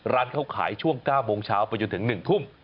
ร้านเขาขายช่วง๙โมงเช้าไปจนถึง๑ทุ่ม